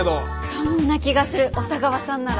そんな気がする小佐川さんなら。